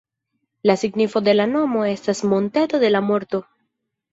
La signifo de la nomo estas ""monteto de la morto"".